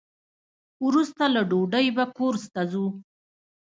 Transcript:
وروسته له ډوډۍ به کورس ته ځو.